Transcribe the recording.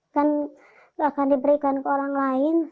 kan gak akan diberikan ke orang lain